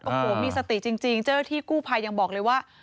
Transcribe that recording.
โอ้โหมีสติจริงเจ้าหน้าที่กู้ภัยยังบอกเลยว่า